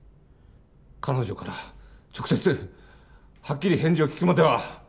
彼女から直接はっきり返事を聞くまでは。